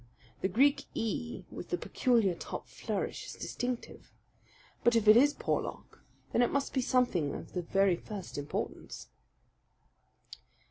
The Greek e with the peculiar top flourish is distinctive. But if it is Porlock, then it must be something of the very first importance."